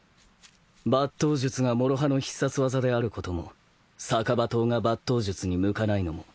抜刀術がもろ刃の必殺技であることも逆刃刀が抜刀術に向かないのも百も承知。